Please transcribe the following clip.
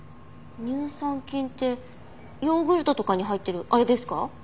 乳酸菌ってヨーグルトとかに入ってるあれですか？